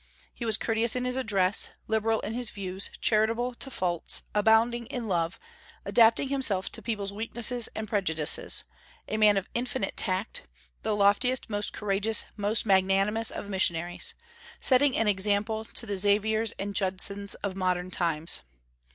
He was courteous in his address, liberal in his views, charitable to faults, abounding in love, adapting himself to people's weaknesses and prejudices, a man of infinite tact, the loftiest, most courageous, most magnanimous of missionaries, setting an example to the Xaviers and Judsons of modern times.